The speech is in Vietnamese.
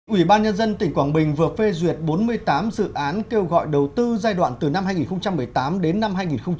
ủy ban nhân dân tỉnh quảng bình vừa phê duyệt bốn mươi tám dự án kêu gọi đầu tư giai đoạn từ năm hai nghìn một mươi tám đến năm hai nghìn hai mươi